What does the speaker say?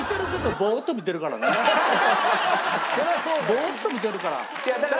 ボーッと見てるから。